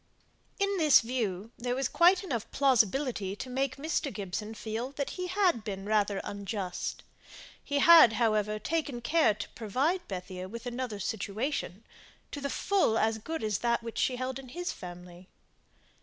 In this view there was quite enough plausibility to make Mr. Gibson feel that he had been rather unjust. He had, however, taken care to provide Bethia with another situation, to the full as good as that which she held in his family.